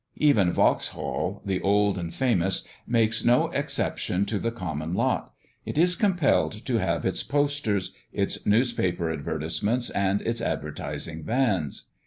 Even Vauxhall the old and famous makes no exception to the common lot; it is compelled to have its posters, its newspaper advertisements, and its advertising vans.